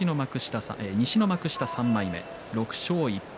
西の幕下３枚目、６勝１敗。